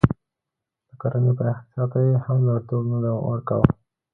د کرنې پراختیا ته یې هم لومړیتوب نه ورکاوه.